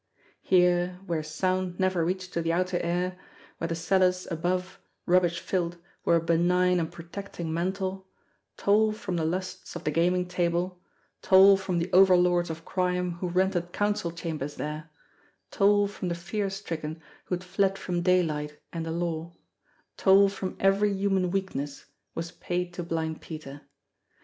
Here, where sound never reached to the outer air, where the cellars above, rub bish filled, were a benign and protecting mantle, toll from the lusts of the gaming table, toll from the overlords of BLIND PETER'S 291 crime who rented council chambers there, toll from the fear stricken who had fled from daylight and the law, toll from every human weakness, was paid to Blind Peter.